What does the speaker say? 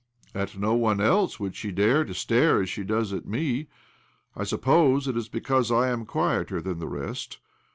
At no one else would she dare to stare as she does at me. I suppose it is because I am quieter than the rest.